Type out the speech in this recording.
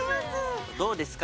どうですか？